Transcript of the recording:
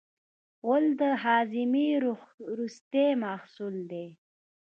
غول د هاضمې وروستی محصول دی.